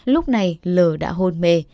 lúc này l đã hôn mê